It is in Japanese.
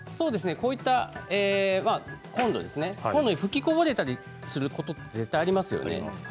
こういったコンロに吹きこぼれたりすることって絶対にありますよね。